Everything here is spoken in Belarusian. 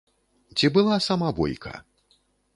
Ці была сама бойка?